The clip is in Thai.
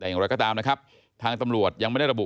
แต่อย่างไรก็ตามนะครับทางตำรวจยังไม่ได้ระบุ